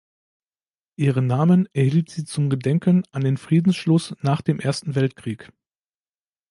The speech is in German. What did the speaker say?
Ihren Namen erhielt sie zum Gedenken an den Friedensschluss nach dem Ersten Weltkrieg.